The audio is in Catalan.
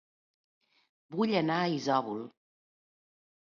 Vull anar a Isòvol